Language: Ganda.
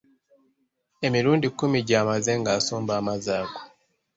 Emirundi kkumi gy'amaze nga asomba amazzi ago.